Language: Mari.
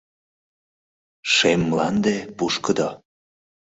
Шем мланде — пушкыдо.